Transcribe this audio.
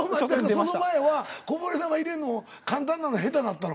その前はこぼれ球入れんの簡単なの下手なったの？